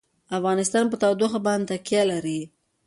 افغانستان په تودوخه باندې تکیه لري.